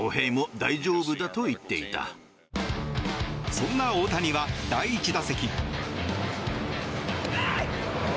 そんな大谷は第１打席。